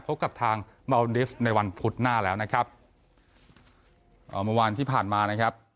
พบกับทางเมาดิฟต์ในวันพุธหน้าแล้วนะครับเอ่อเมื่อวานที่ผ่านมานะครับ